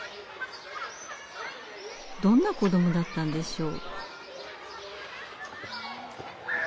どんな子どもだったんでしょう。